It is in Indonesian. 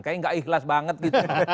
kayaknya gak ikhlas banget gitu